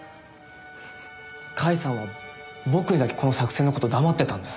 甲斐さんは僕にだけこの作戦の事を黙ってたんです。